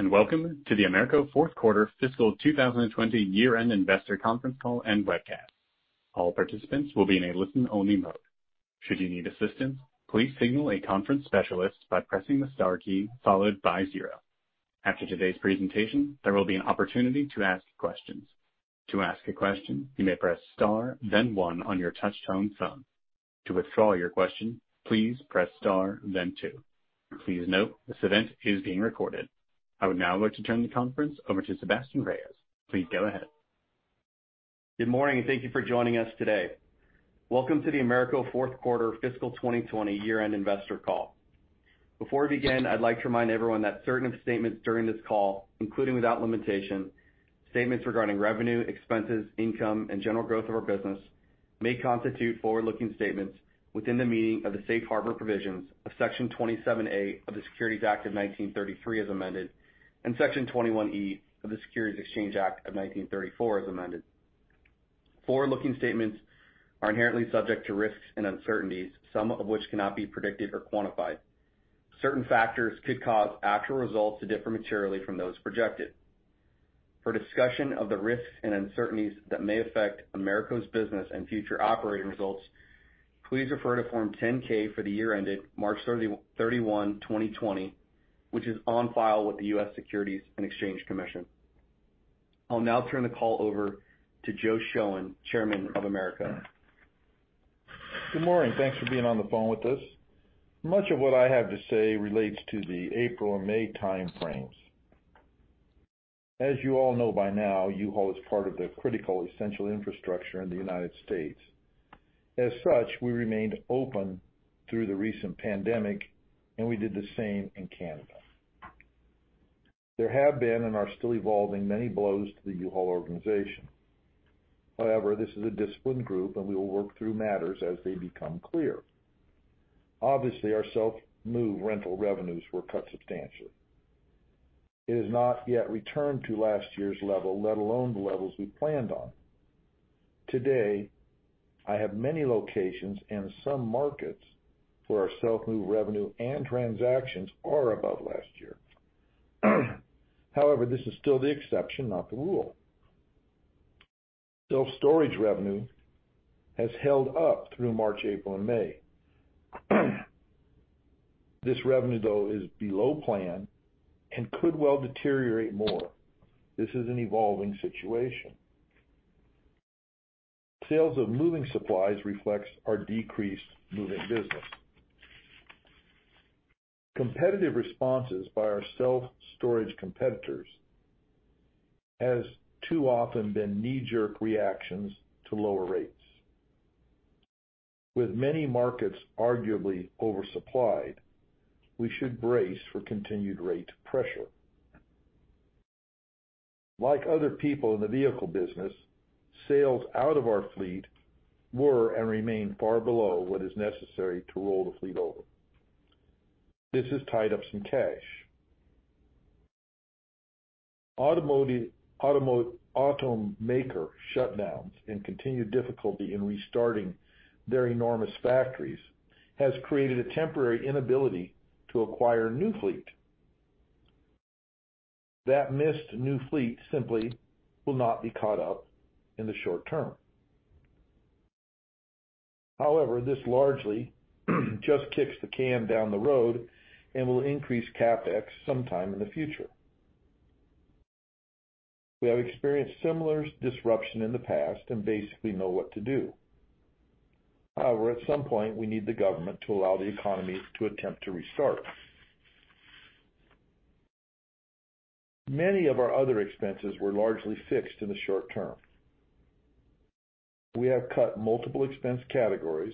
Good day, and welcome to the AMERCO Fourth Quarter Fiscal 2020 Year-End Investor Conference Call and Webcast. All participants will be in a listen-only mode. Should you need assistance, please signal a conference specialist by pressing the star key followed by zero. After today's presentation, there will be an opportunity to ask questions. To ask a question, you may press star, then one on your touchtone phone. To withdraw your question, please press star, then two. Please note, this event is being recorded. I would now like to turn the conference over to Sebastien Reyes. Please go ahead. Good morning, and thank you for joining us today. Welcome to the AMERCO Fourth Quarter Fiscal 2020 Year-End Investor Call. Before we begin, I'd like to remind everyone that certain statements during this call, including without limitation, statements regarding revenue, expenses, income, and general growth of our business, may constitute forward-looking statements within the meaning of the Safe Harbor provisions of Section 27A of the Securities Act of 1933, as amended, and Section 21E of the Securities Exchange Act of 1934, as amended. Forward-looking statements are inherently subject to risks and uncertainties, some of which cannot be predicted or quantified. Certain factors could cause actual results to differ materially from those projected. For discussion of the risks and uncertainties that may affect AMERCO's business and future operating results, please refer to Form 10-K for the year ended March thirty-one, 2020, which is on file with the U.S. Securities and Exchange Commission. I'll now turn the call over to Joe Shoen, Chairman of AMERCO. Good morning. Thanks for being on the phone with us. Much of what I have to say relates to the April and May timeframes. As you all know by now, U-Haul is part of the critical, essential infrastructure in the United States. As such, we remained open through the recent pandemic, and we did the same in Canada. There have been, and are still evolving, many blows to the U-Haul organization. However, this is a disciplined group, and we will work through matters as they become clear. Obviously, our self-move rental revenues were cut substantially. It has not yet returned to last year's level, let alone the levels we planned on. Today, I have many locations and some markets where our self-move revenue and transactions are above last year. However, this is still the exception, not the rule. Self-storage revenue has held up through March, April, and May. This revenue, though, is below plan and could well deteriorate more. This is an evolving situation. Sales of moving supplies reflects our decreased moving business. Competitive responses by our self-storage competitors has too often been knee-jerk reactions to lower rates. With many markets arguably oversupplied, we should brace for continued rate pressure. Like other people in the vehicle business, sales out of our fleet were and remain far below what is necessary to roll the fleet over. This has tied up some cash. Automaker shutdowns and continued difficulty in restarting their enormous factories has created a temporary inability to acquire new fleet. That missed new fleet simply will not be caught up in the short term. However, this largely just kicks the can down the road and will increase CapEx sometime in the future. We have experienced similar disruption in the past and basically know what to do. However, at some point, we need the government to allow the economy to attempt to restart. Many of our other expenses were largely fixed in the short term. We have cut multiple expense categories,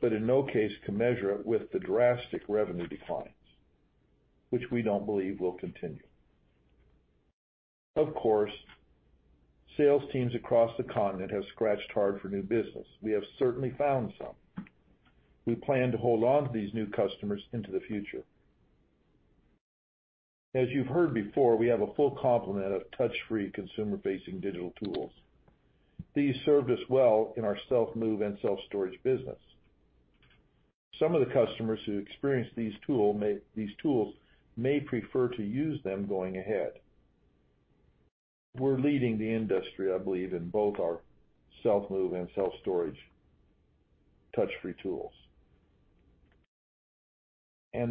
but in no case can measure it with the drastic revenue declines, which we don't believe will continue. Of course, sales teams across the continent have scratched hard for new business. We have certainly found some. We plan to hold on to these new customers into the future. As you've heard before, we have a full complement of touch-free, consumer-facing digital tools. These served us well in our self-move and self-storage business. Some of the customers who experienced these tools may prefer to use them going ahead. We're leading the industry, I believe, in both our self-move and self-storage touch-free tools.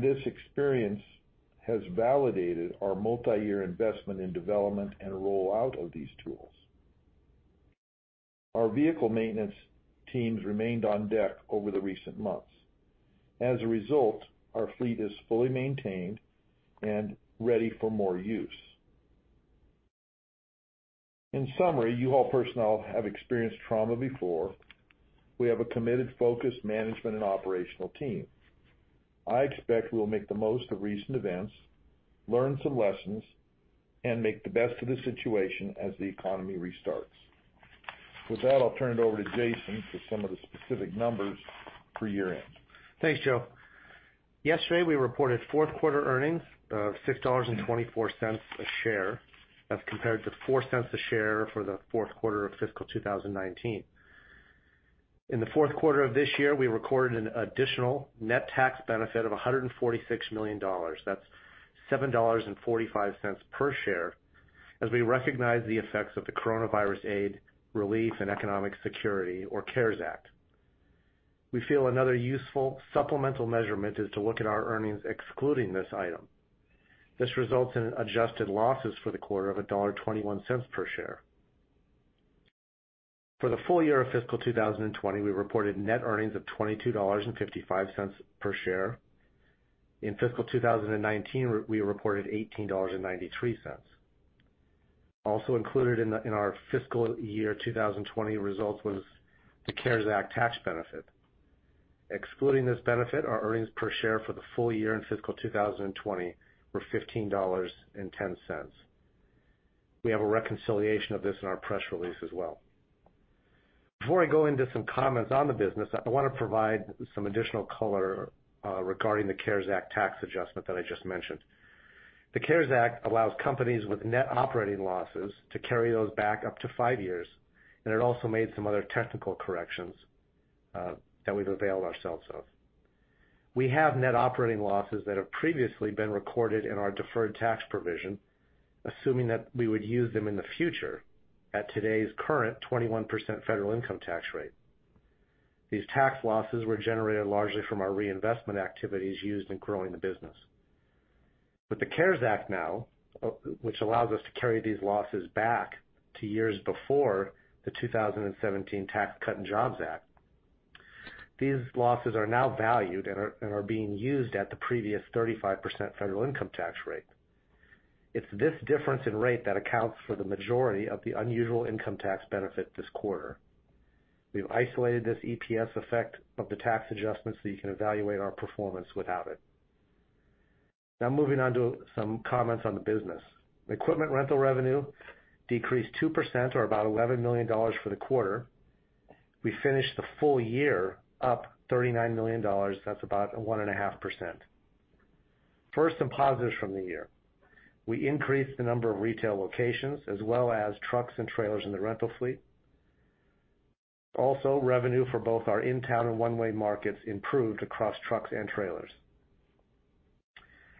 This experience has validated our multiyear investment in development and rollout of these tools. Our vehicle maintenance teams remained on deck over the recent months. As a result, our fleet is fully maintained and ready for more use. In summary, U-Haul personnel have experienced trauma before. We have a committed, focused management and operational team. I expect we will make the most of recent events, learn some lessons, and make the best of the situation as the economy restarts. With that, I'll turn it over to Jason for some of the specific numbers for year-end. Thanks, Joe. Yesterday, we reported fourth quarter earnings of $6.24 a share, as compared to $0.04 a share for the fourth quarter of fiscal 2019. In the fourth quarter of this year, we recorded an additional net tax benefit of $146 million. That's $7.45 per share, as we recognize the effects of the Coronavirus Aid, Relief, and Economic Security, or CARES Act. We feel another useful supplemental measurement is to look at our earnings excluding this item. This results in adjusted losses for the quarter of $1.21 per share. For the full year of fiscal 2020, we reported net earnings of $22.55 per share. In fiscal 2019, we reported $18.93. Also included in our fiscal year 2020 results was the CARES Act tax benefit. Excluding this benefit, our earnings per share for the full year in fiscal 2020 were $15.10. We have a reconciliation of this in our press release as well. Before I go into some comments on the business, I want to provide some additional color regarding the CARES Act tax adjustment that I just mentioned. The CARES Act allows companies with net operating losses to carry those back up to five years, and it also made some other technical corrections that we've availed ourselves of. We have net operating losses that have previously been recorded in our deferred tax provision, assuming that we would use them in the future at today's current 21% federal income tax rate. These tax losses were generated largely from our reinvestment activities used in growing the business. With the CARES Act now, which allows us to carry these losses back to years before the 2017 Tax Cuts and Jobs Act, these losses are now valued and are being used at the previous 35% federal income tax rate. It's this difference in rate that accounts for the majority of the unusual income tax benefit this quarter. We've isolated this EPS effect of the tax adjustment, so you can evaluate our performance without it. Now, moving on to some comments on the business. Equipment rental revenue decreased 2% or about $11 million for the quarter. We finished the full year up $39 million. That's about 1.5%. First, some positives from the year. We increased the number of retail locations, as well as trucks and trailers in the rental fleet. Also, revenue for both our in-town and one-way markets improved across trucks and trailers.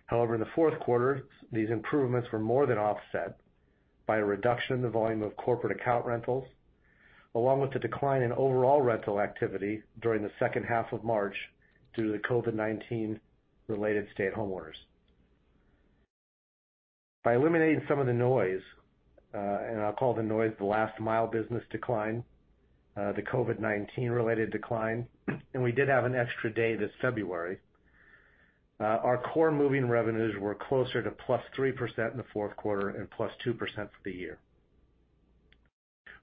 However, in the fourth quarter, these improvements were more than offset by a reduction in the volume of corporate account rentals, along with the decline in overall rental activity during the second half of March due to the COVID-19 related stay-at-home orders. By eliminating some of the noise, and I'll call the noise the last-mile business decline, the COVID-19 related decline, and we did have an extra day this February. Our core moving revenues were closer to +3% in the fourth quarter and +2% for the year.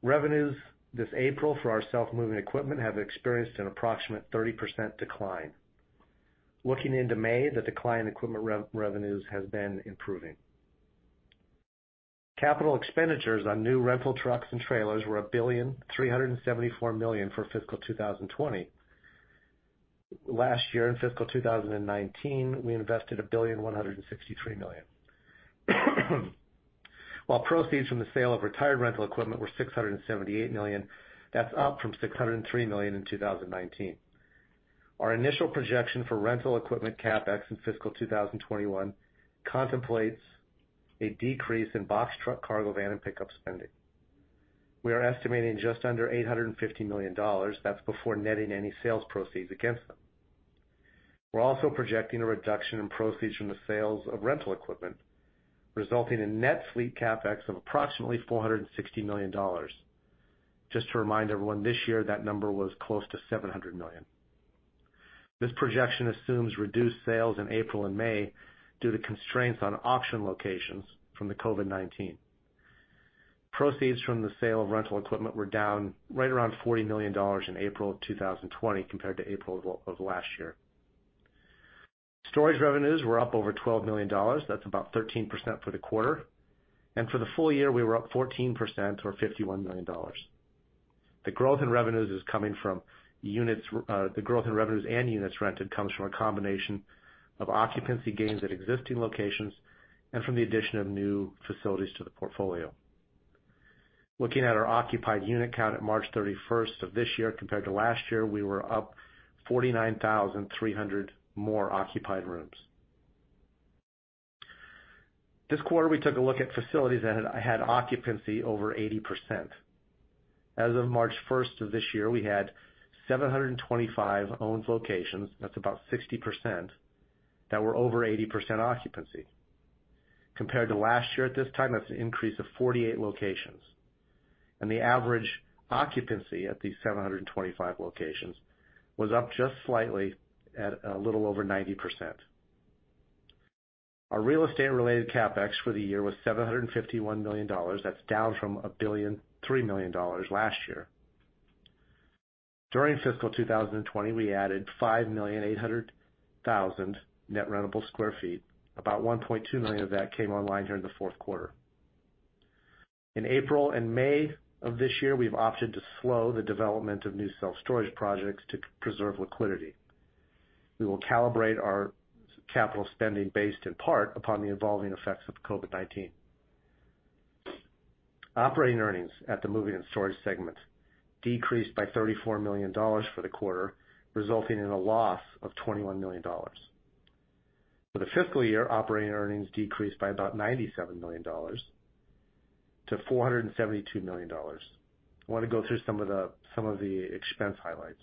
Revenues this April for our self-moving equipment have experienced an approximate 30% decline. Looking into May, the decline in equipment revenues has been improving. Capital expenditures on new rental trucks and trailers were $1.374 billion for fiscal 2020. Last year, in fiscal 2019, we invested $1.163 billion. While proceeds from the sale of retired rental equipment were $678 million, that's up from $603 million in 2019. Our initial projection for rental equipment CapEx in fiscal 2021 contemplates a decrease in box truck, cargo van, and pickup spending. We are estimating just under $850 million. That's before netting any sales proceeds against them. We're also projecting a reduction in proceeds from the sales of rental equipment, resulting in net fleet CapEx of approximately $460 million. Just to remind everyone, this year, that number was close to $700 million. This projection assumes reduced sales in April and May due to constraints on auction locations from the COVID-19. Proceeds from the sale of rental equipment were down right around $40 million in April of 2020 compared to April of last year. Storage revenues were up over $12 million. That's about 13% for the quarter, and for the full year, we were up 14% or $51 million. The growth in revenues and units rented comes from a combination of occupancy gains at existing locations and from the addition of new facilities to the portfolio. Looking at our occupied unit count at March 31st of this year compared to last year, we were up 49,300 more occupied rooms. This quarter, we took a look at facilities that had occupancy over 80%. As of March first of this year, we had 725 owned locations, that's about 60%, that were over 80% occupancy. Compared to last year at this time, that's an increase of 48 locations, and the average occupancy at these 725 locations was up just slightly at a little over 90%. Our real estate-related CapEx for the year was $751 million. That's down from $1.3 billion last year. During fiscal 2020, we added $5.8 million net rentable sq ft. About $1.2 million of that came online during the fourth quarter. In April and May of this year, we've opted to slow the development of new self-storage projects to preserve liquidity. We will calibrate our capital spending based in part upon the evolving effects of COVID-19. Operating earnings at the moving and storage segment decreased by $34 million for the quarter, resulting in a loss of $21 million. For the fiscal year, operating earnings decreased by about $97 million to $472 million. I want to go through some of the, some of the expense highlights.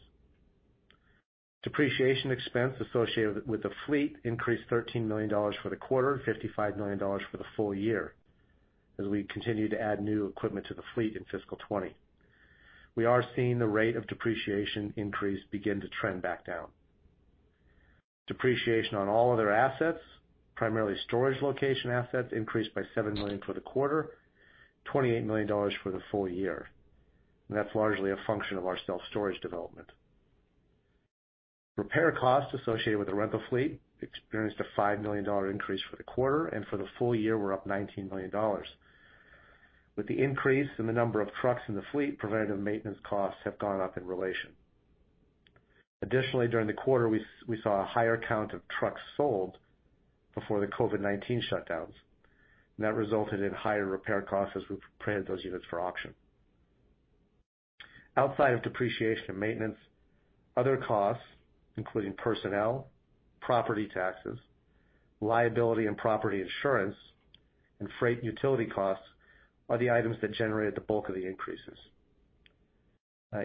Depreciation expense associated with, with the fleet increased $13 million for the quarter, $55 million for the full year, as we continue to add new equipment to the fleet in fiscal 2020. We are seeing the rate of depreciation increase begin to trend back down. Depreciation on all other assets, primarily storage location assets, increased by $7 million for the quarter, $28 million for the full year, and that's largely a function of our self-storage development. Repair costs associated with the rental fleet experienced a $5 million increase for the quarter, and for the full year, we're up $19 million. With the increase in the number of trucks in the fleet, preventative maintenance costs have gone up in relation. Additionally, during the quarter, we saw a higher count of trucks sold before the COVID-19 shutdowns, and that resulted in higher repair costs as we prepared those units for auction. Outside of depreciation and maintenance, other costs, including personnel, property taxes, liability and property insurance, and freight and utility costs, are the items that generated the bulk of the increases.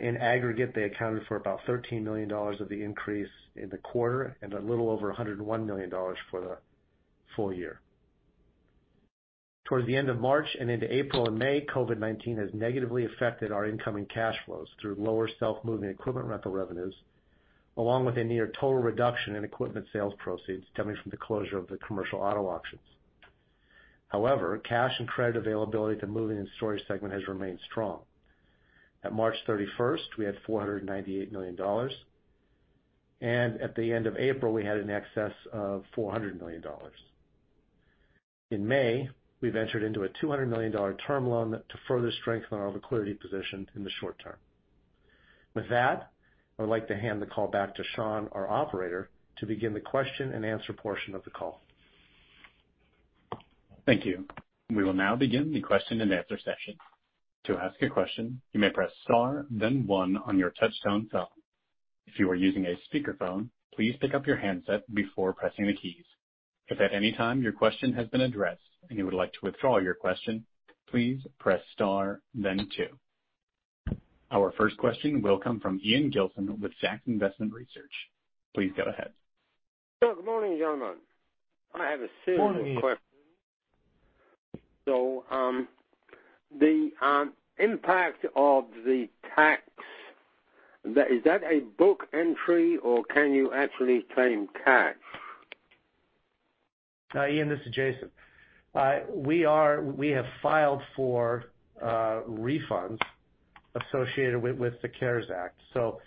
In aggregate, they accounted for about $13 million of the increase in the quarter and a little over $101 million for the full year. Towards the end of March and into April and May, COVID-19 has negatively affected our incoming cash flows through lower self-moving equipment rental revenues, along with a near total reduction in equipment sales proceeds coming from the closure of the commercial auto auctions. However, cash and credit availability to moving and storage segment has remained strong. At March 31st, we had $498 million, and at the end of April, we had an excess of $400 million. In May, we've entered into a $200 million term loan to further strengthen our liquidity position in the short term. With that, I'd like to hand the call back to Sean, our operator, to begin the question and answer portion of the call. Thank you. We will now begin the question and answer session. To ask a question, you may press star then one on your touchtone phone. If you are using a speakerphone, please pick up your handset before pressing the keys. If at any time your question has been addressed, and you would like to withdraw your question, please press star then two. Our first question will come from Ian Gilson with Zacks Investment Research. Please go ahead. Good morning, gentlemen. I have a similar question. Morning, Ian. The impact of the tax, is that a book entry, or can you actually claim cash? Ian, this is Jason. We have filed for refunds associated with the CARES Act. So,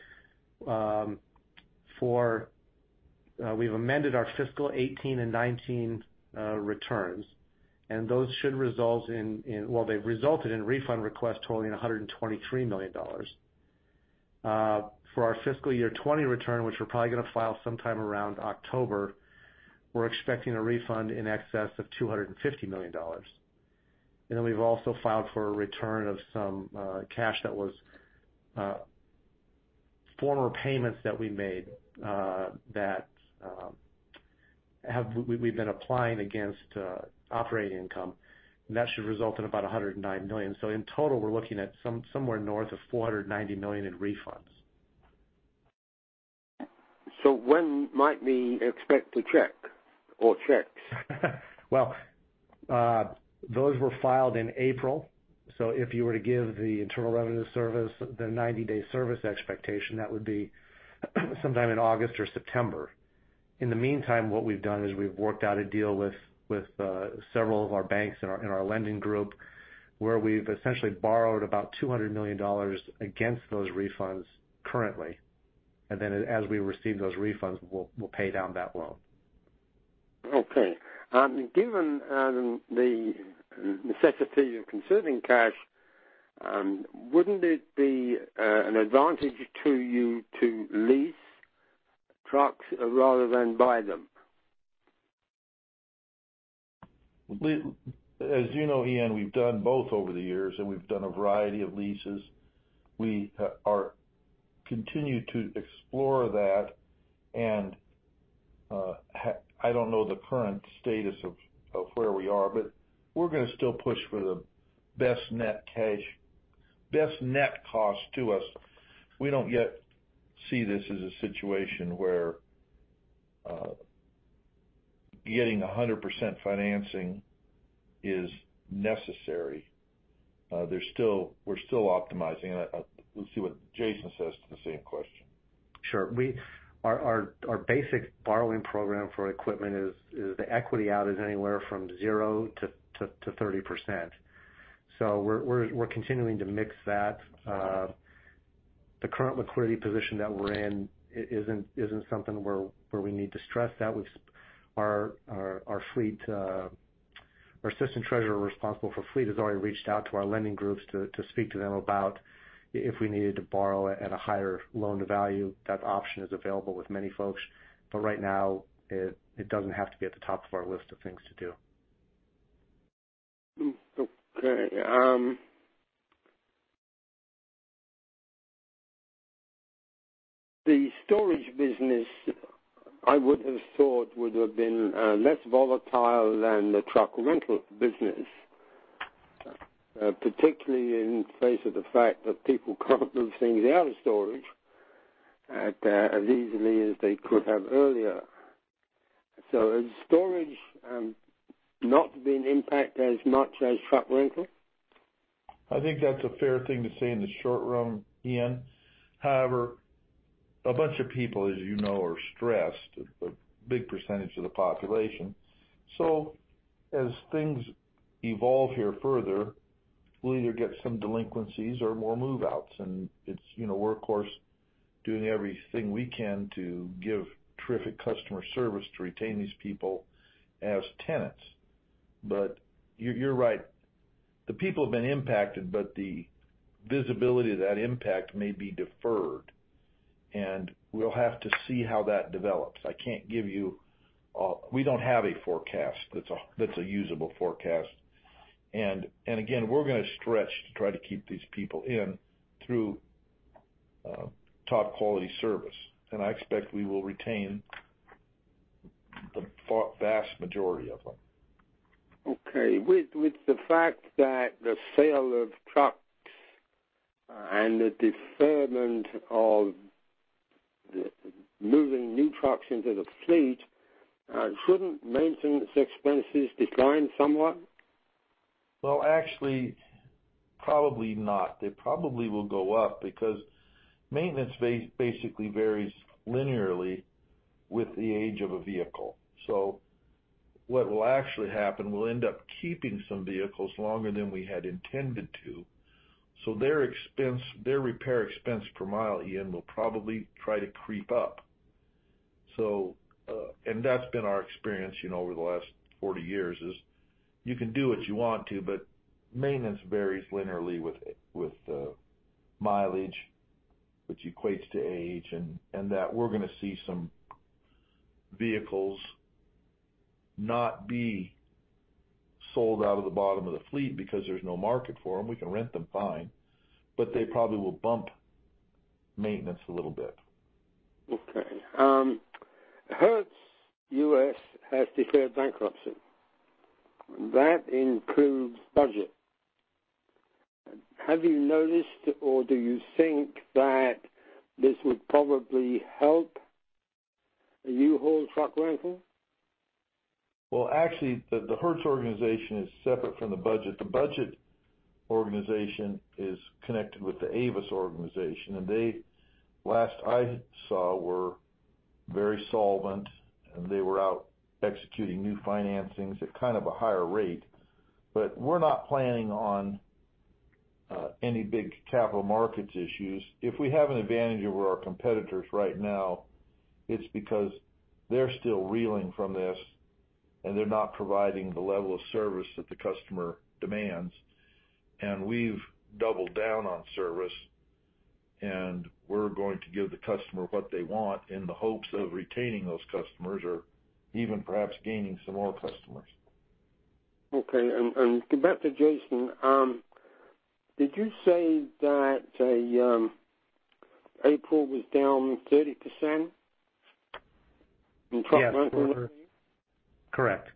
we've amended our fiscal 2018 and 2019 returns, and those should result in... Well, they've resulted in a refund request totaling $123 million. For our fiscal year 2020 return, which we're probably gonna file sometime around October, we're expecting a refund in excess of $250 million. And then we've also filed for a return of some cash that was former payments that we made, that we've been applying against operating income, and that should result in about $109 million. So in total, we're looking at somewhere north of $490 million in refunds. When might we expect a check or checks? Those were filed in April, so if you were to give the Internal Revenue Service the ninety-day service expectation, that would be sometime in August or September. In the meantime, what we've done is we've worked out a deal with several of our banks in our lending group, where we've essentially borrowed about $200 million against those refunds currently, and then as we receive those refunds, we'll pay down that loan. Okay. Given the necessity of conserving cash, wouldn't it be an advantage to you to lease trucks rather than buy them? As you know, Ian, we've done both over the years, and we've done a variety of leases. We are continued to explore that, and I don't know the current status of where we are, but we're gonna still push for the best net cost to us. We don't yet see this as a situation where getting 100% financing is necessary. We're still optimizing, and we'll see what Jason says to the same question. Sure. Our basic borrowing program for equipment is the equity out is anywhere from zero to 30%. So we're continuing to mix that. The current liquidity position that we're in isn't something where we need to stress that. We've... Our fleet, our assistant treasurer responsible for fleet has already reached out to our lending groups to speak to them about if we needed to borrow at a higher loan-to-value. That option is available with many folks, but right now, it doesn't have to be at the top of our list of things to do. Okay, the storage business, I would have thought would have been less volatile than the truck rental business, particularly in face of the fact that people can't move things out of storage as easily as they could have earlier. So has storage not been impacted as much as truck rental? I think that's a fair thing to say in the short run, Ian. However, a bunch of people, as you know, are stressed, a big percentage of the population. So as things evolve here further, we'll either get some delinquencies or more move-outs, and it's, you know, workhorse doing everything we can to give terrific customer service to retain these people as tenants. But you're right. The people have been impacted, but the visibility of that impact may be deferred, and we'll have to see how that develops. I can't give you, we don't have a forecast that's a usable forecast. And again, we're going to stretch to try to keep these people in through top quality service, and I expect we will retain the vast majority of them. Okay. With the fact that the sale of trucks and the deferment of the moving new trucks into the fleet, shouldn't maintenance expenses decline somewhat? Actually, probably not. They probably will go up because maintenance basically varies linearly with the age of a vehicle. So what will actually happen, we'll end up keeping some vehicles longer than we had intended to. So their expense, their repair expense per mile, Ian, will probably try to creep up. So, and that's been our experience, you know, over the last forty years, is you can do what you want to, but maintenance varies linearly with mileage, which equates to age, and that we're going to see some vehicles not be sold out of the bottom of the fleet because there's no market for them. We can rent them, fine, but they probably will bump maintenance a little bit. Okay. Hertz U.S. has declared bankruptcy. That includes Budget. Have you noticed, or do you think that this would probably help U-Haul truck rental? Well, actually, the Hertz organization is separate from the Budget. The Budget organization is connected with the Avis organization, and they, last I saw, were very solvent, and they were out executing new financings at kind of a higher rate. But we're not planning on any big capital markets issues. If we have an advantage over our competitors right now, it's because they're still reeling from this, and they're not providing the level of service that the customer demands. And we've doubled down on service, and we're going to give the customer what they want in the hopes of retaining those customers or even perhaps gaining some more customers. Okay. And back to Jason. Did you say that April was down 30% in truck rental? Yes. Correct.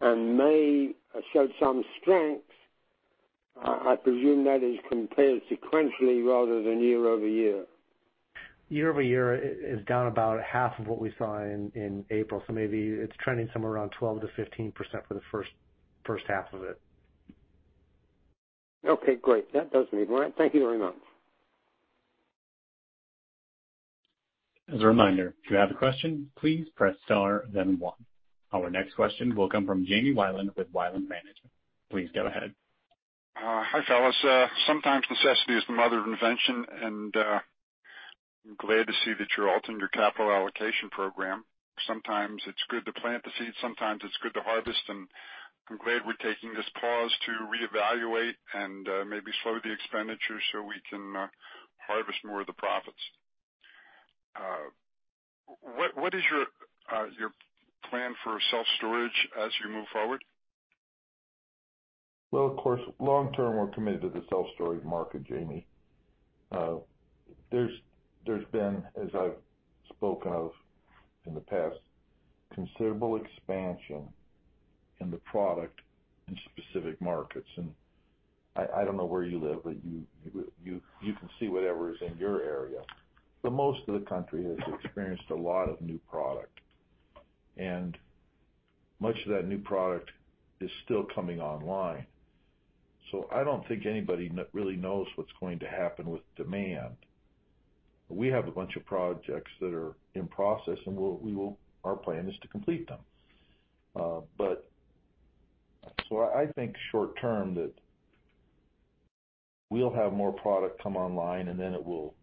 May showed some strength. I presume that is compared sequentially rather than year over year. Year over year is down about half of what we saw in April, so maybe it's trending somewhere around 12%-15% for the first half of it. Okay, great. That does it. Thank you very much. As a reminder, if you have a question, please press star then one. Our next question will come fr`om`` Jamie Weilen with Wilen Management. Please go ahead. Hi, fellas. Sometimes necessity is the mother of invention, and I'm glad to see that you're altering your capital allocation program. Sometimes it's good to plant the seed, sometimes it's good to harvest, and I'm glad we're taking this pause to reevaluate and maybe slow the expenditure so we can harvest more of the profits. What is your your plan for self-storage as you move forward? Of course, long term, we're committed to the self-storage market, Jamie. There's been, as I've spoken of in the past, considerable expansion in the product in specific markets. And I don't know where you live, but you can see whatever is in your area. But most of the country has experienced a lot of new product, and much of that new product is still coming online. So I don't think anybody really knows what's going to happen with demand. We have a bunch of projects that are in process, and we'll, our plan is to complete them. But so I think short term, that we'll have more product come online, and then it will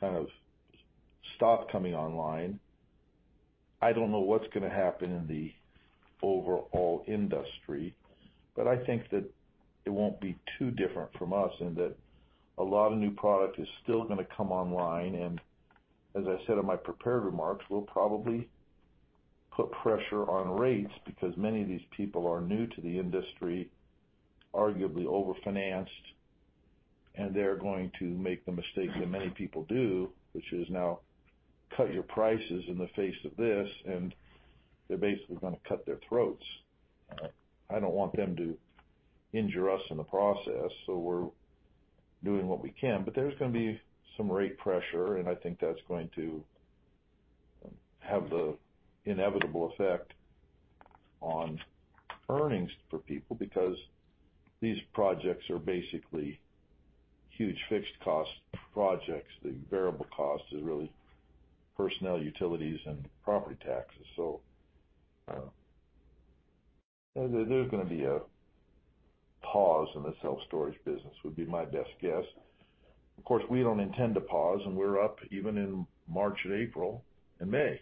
kind of stop coming online. I don't know what's going to happen in the overall industry, but I think that it won't be too different from us, and that a lot of new product is still going to come online, and as I said in my prepared remarks, we'll probably... put pressure on rates because many of these people are new to the industry, arguably over-financed, and they're going to make the mistake that many people do, which is now cut your prices in the face of this, and they're basically gonna cut their throats. I don't want them to injure us in the process, so we're doing what we can, but there's gonna be some rate pressure, and I think that's going to have the inevitable effect on earnings for people because these projects are basically huge fixed cost projects. The variable cost is really personnel, utilities, and property taxes. There’s gonna be a pause in the self-storage business, would be my best guess. Of course, we don’t intend to pause, and we’re up even in March and April and May.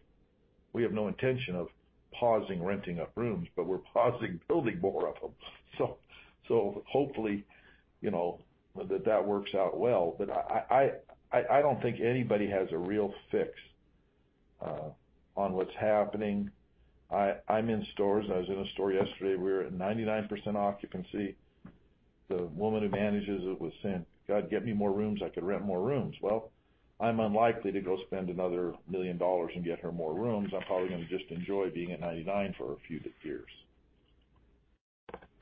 We have no intention of pausing renting up rooms, but we’re pausing building more of them. Hopefully, you know, that works out well. I don’t think anybody has a real fix on what’s happening. I’m in stores. I was in a store yesterday. We were at 99% occupancy. The woman who manages it was saying, “God, get me more rooms. I could rent more rooms.” Well, I’m unlikely to go spend another $1 million and get her more rooms. I’m probably gonna just enjoy being at 99% for a few years.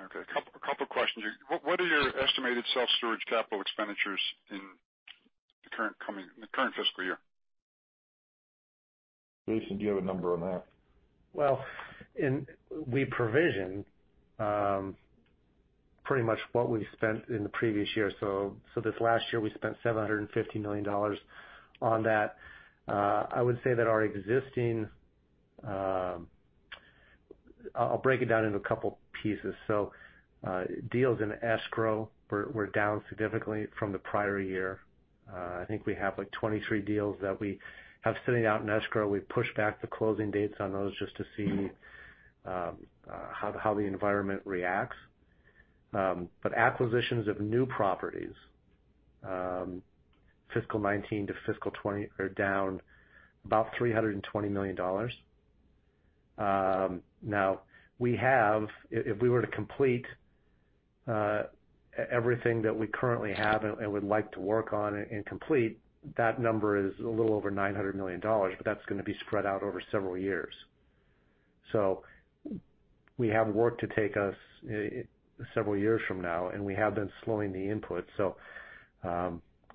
Okay. A couple questions. What are your estimated self-storage capital expenditures in the current fiscal year? Jason, do you have a number on that? We provision pretty much what we spent in the previous year. This last year, we spent $750 million on that. I would say that our existing... I'll break it down into a couple pieces. Deals in escrow were down significantly from the prior year. I think we have, like, 23 deals that we have sitting out in escrow. We've pushed back the closing dates on those just to see how the environment reacts. Acquisitions of new properties, fiscal 2019 to fiscal 2020, are down about $320 million. Now, we have... If, if we were to complete everything that we currently have and, and would like to work on and complete, that number is a little over $900 million, but that's gonna be spread out over several years. So we have work to take us several years from now, and we have been slowing the input. So,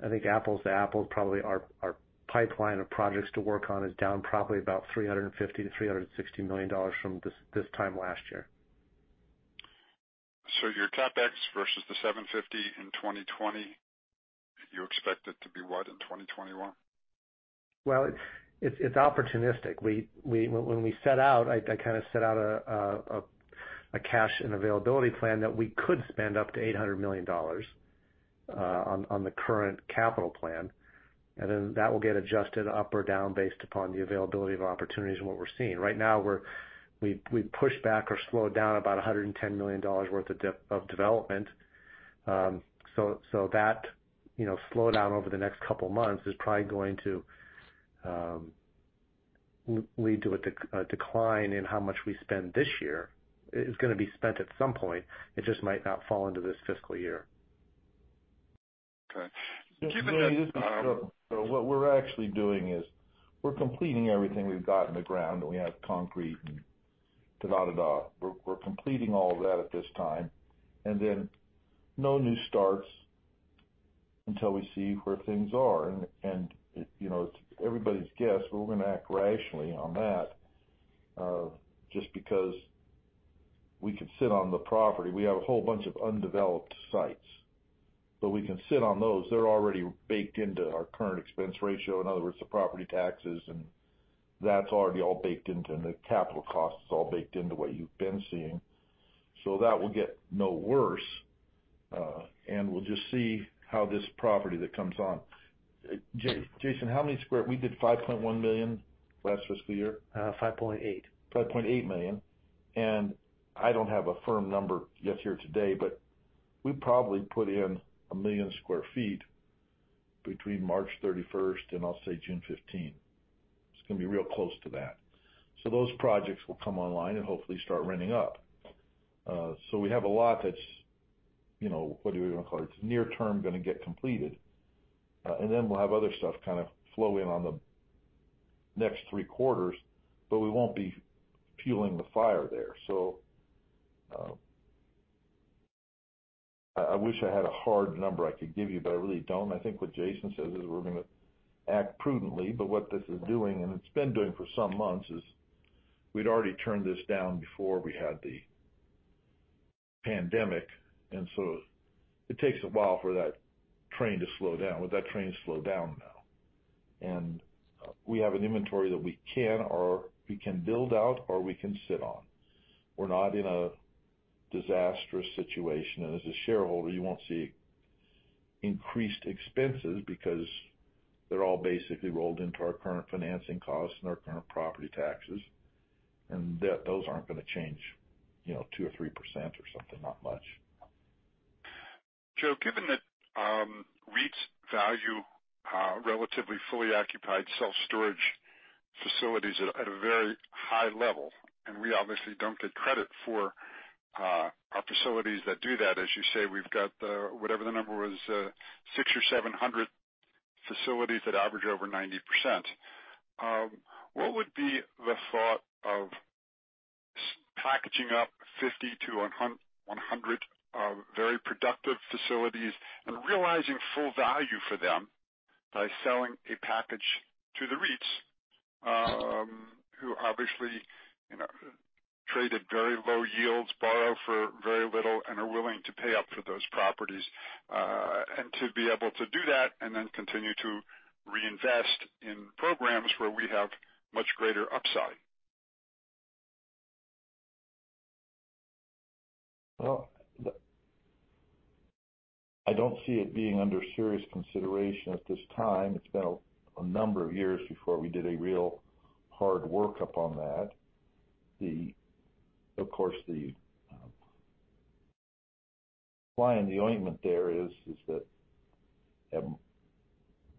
I think apples to apples, probably our, our pipeline of projects to work on is down probably about $350 million-$360 million from this, this time last year. So your CapEx versus the 750 in 2020, you expect it to be what in 2021? It's opportunistic. We, when we set out, I kind of set out a cash and availability plan that we could spend up to $800 million on the current capital plan, and then that will get adjusted up or down based upon the availability of opportunities and what we're seeing. Right now, we're. We've pushed back or slowed down about $110 million worth of development. So that, you know, slowdown over the next couple months is probably going to lead to a decline in how much we spend this year. It's gonna be spent at some point, it just might not fall into this fiscal year. Okay. Given that, So what we're actually doing is we're completing everything we've got in the ground, and we have concrete. We're completing all that at this time, and then no new starts until we see where things are. And you know, it's everybody's guess, but we're gonna act rationally on that, just because we can sit on the property. We have a whole bunch of undeveloped sites, but we can sit on those. They're already baked into our current expense ratio. In other words, the property taxes, and that's already all baked into, and the capital costs is all baked into what you've been seeing. So that will get no worse, and we'll just see how this property that comes on. Jason, how many square—we did five point one million last fiscal year? $5.8. $5.8 million, and I don't have a firm number just here today, but we probably put in 1 million sq ft between March 31st and, I'll say, June 15. It's gonna be real close to that. So those projects will come online and hopefully start renting up. So we have a lot that's, you know, what are we gonna call it? Near term, gonna get completed, and then we'll have other stuff kind of flow in on the next three quarters, but we won't be fueling the fire there. So I wish I had a hard number I could give you, but I really don't. I think what Jason says is we're gonna act prudently, but what this is doing, and it's been doing for some months, is we'd already turned this down before we had the pandemic, and so it takes a while for that train to slow down. Well, that train's slowed down now, and we have an inventory that we can or we can build out or we can sit on. We're not in a disastrous situation, and as a shareholder, you won't see increased expenses because they're all basically rolled into our current financing costs and our current property taxes, and those aren't gonna change, you know, 2% or 3% or something, not much. Joe, given that, REITs value relatively fully occupied self-storage facilities at a very high level, and we obviously don't get credit for our facilities that do that. As you say, we've got the, whatever the number was, six or seven hundred facilities that average over 90%. What would be the thought of packaging up 50 to 100 very productive facilities and realizing full value for them by selling a package to the REITs, who obviously, you know, trade at very low yields, borrow for very little, and are willing to pay up for those properties, and to be able to do that, and then continue to reinvest in programs where we have much greater upside. I don't see it being under serious consideration at this time. It's been a number of years before we did a real hard workup on that. Of course, the fly in the ointment there is that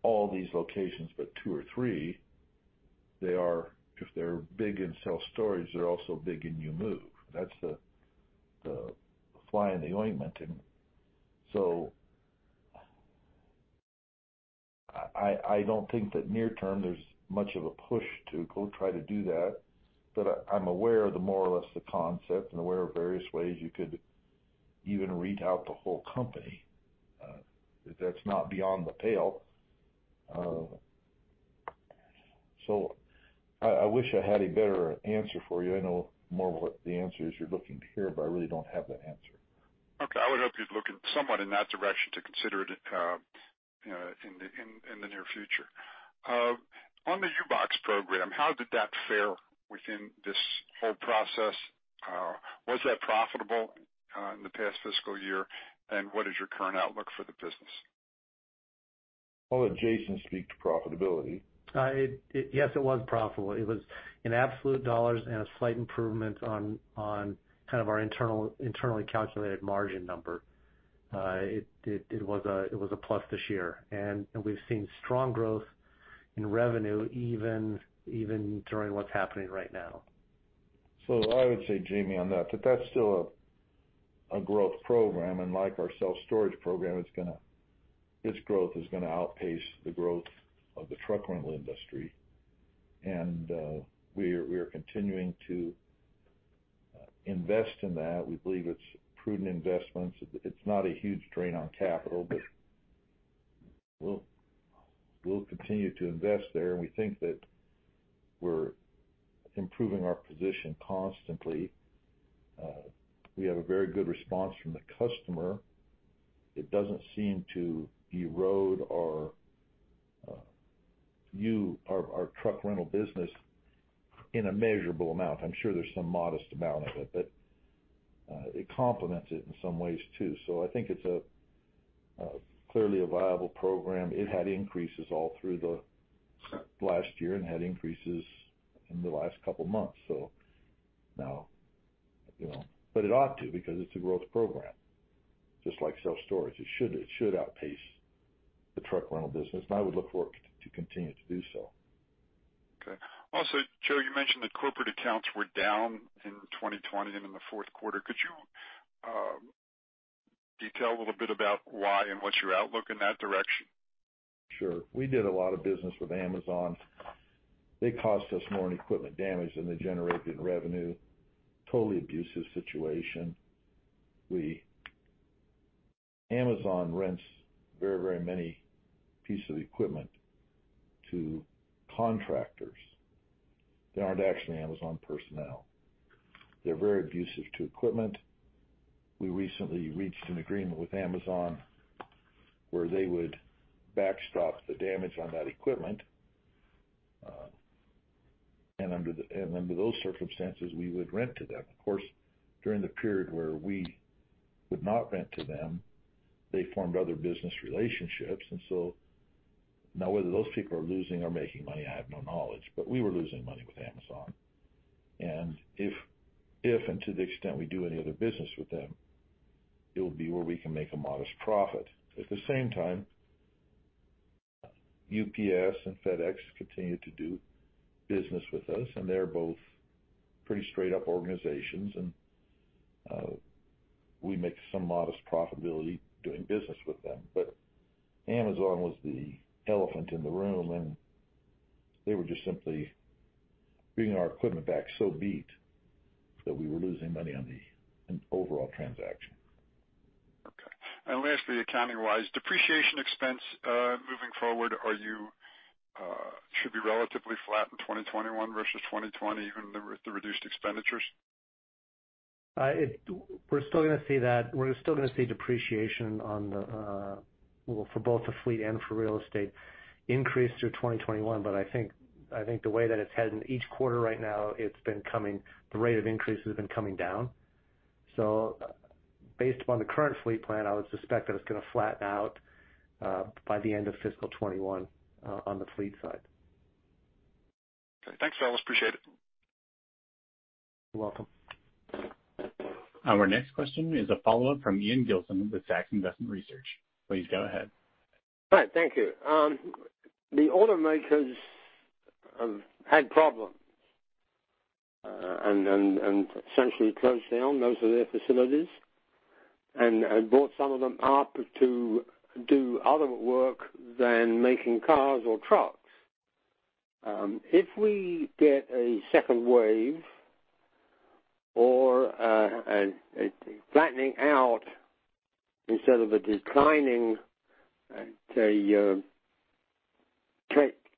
all these locations, but two or three, if they're big in self-storage, they're also big in U-Move. That's the fly in the ointment. And so I don't think that near term there's much of a push to go try to do that, but I'm aware of the more or less the concept, and aware of various ways you could even REIT out the whole company. That's not beyond the pale. So I wish I had a better answer for you. I know more what the answer is you're looking to hear, but I really don't have that answer. Okay. I would hope you'd look at somewhat in that direction to consider it, you know, in the near future. On the U-Box program, how did that fare within this whole process? Was that profitable in the past fiscal year, and what is your current outlook for the business? I'll let Jason speak to profitability. Yes, it was profitable. It was in absolute dollars and a slight improvement on kind of our internal, internally calculated margin number. It was a plus this year, and we've seen strong growth in revenue, even during what's happening right now. So I would say, Jamie, on that, that's still a growth program, and like our self-storage program, it's gonna... Its growth is gonna outpace the growth of the truck rental industry. And we are continuing to invest in that. We believe it's prudent investments. It's not a huge drain on capital, but we'll continue to invest there, and we think that we're improving our position constantly. We have a very good response from the customer. It doesn't seem to erode our U-Haul truck rental business in a measurable amount. I'm sure there's some modest amount of it, but it complements it in some ways, too. So I think it's clearly a viable program. It had increases all through the last year and had increases in the last couple months. So now, you know... But it ought to, because it's a growth program, just like self-storage. It should, it should outpace the truck rental business, and I would look for it to continue to do so. Okay. Also, Joe, you mentioned that corporate accounts were down in 2020 and in the fourth quarter. Could you detail a little bit about why and what's your outlook in that direction? Sure. We did a lot of business with Amazon. They cost us more in equipment damage than they generated in revenue. Totally abusive situation. Amazon rents very, very many pieces of equipment to contractors. They aren't actually Amazon personnel. They're very abusive to equipment. We recently reached an agreement with Amazon, where they would backstop the damage on that equipment. And under those circumstances, we would rent to them. Of course, during the period where we would not rent to them, they formed other business relationships, and so now whether those people are losing or making money, I have no knowledge, but we were losing money with Amazon. And if, and to the extent we do any other business with them, it will be where we can make a modest profit. At the same time, UPS and FedEx continue to do business with us, and they're both pretty straight-up organizations, and we make some modest profitability doing business with them. But Amazon was the elephant in the room, and they were just simply bringing our equipment back so beat up that we were losing money on the overall transaction. Okay. And lastly, accounting-wise, depreciation expense moving forward should be relatively flat in 2021 versus 2020, given the reduced expenditures? We're still gonna see that. We're still gonna see depreciation on the, well, for both the fleet and for real estate increase through 2021, but I think the way that it's heading each quarter right now, it's been coming down. The rate of increase has been coming down, so based upon the current fleet plan, I would suspect that it's gonna flatten out by the end of fiscal 2021 on the fleet side. Okay. Thanks, fellas. Appreciate it. You're welcome. Our next question is a follow-up from Ian Gilson with Zacks Investment Research. Please go ahead. Hi, thank you. The automakers had problems and essentially closed down most of their facilities and brought some of them up to do other work than making cars or trucks. If we get a second wave or a flattening out instead of a declining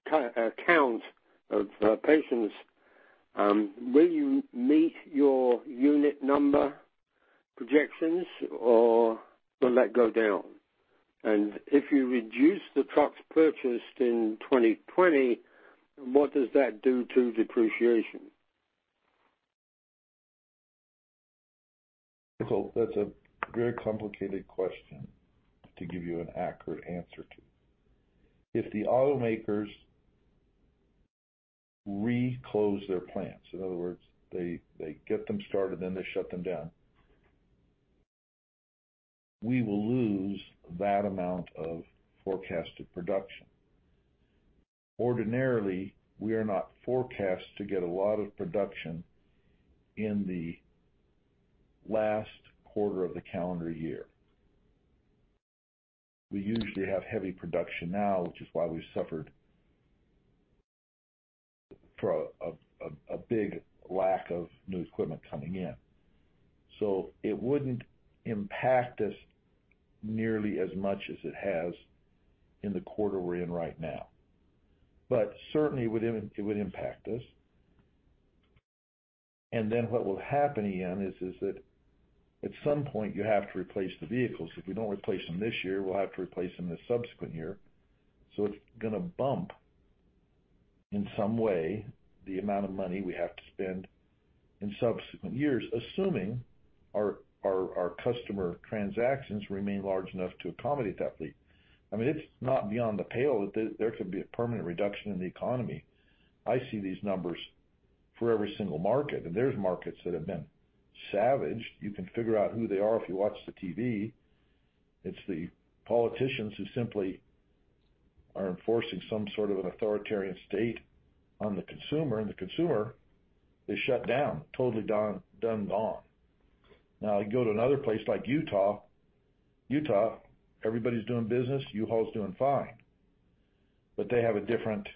count of patients, will you meet your unit number projections, or will that go down? And if you reduce the trucks purchased in 2020, what does that do to depreciation? So that's a very complicated question to give you an accurate answer to. If the automakers reclose their plants, in other words, they get them started, then they shut them down, we will lose that amount of forecasted production. Ordinarily, we are not forecast to get a lot of production in the last quarter of the calendar year. We usually have heavy production now, which is why we suffered for a big lack of new equipment coming in. So it wouldn't impact us nearly as much as it has in the quarter we're in right now. But certainly, it would impact us. And then what will happen, Ian, is that at some point, you have to replace the vehicles. If we don't replace them this year, we'll have to replace them the subsequent year. So it's gonna bump, in some way, the amount of money we have to spend in subsequent years, assuming our customer transactions remain large enough to accommodate that fleet. I mean, it's not beyond the pale that there could be a permanent reduction in the economy. I see these numbers for every single market, and there's markets that have been savaged. You can figure out who they are if you watch the TV. It's the politicians who simply are enforcing some sort of an authoritarian state on the consumer, and the consumer is shut down, totally done, gone. Now, you go to another place like Utah. Utah, everybody's doing business, U-Haul is doing fine, but they have a different